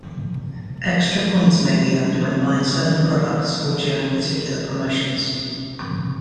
Extra points may be earned when buying certain products or during particular promotions.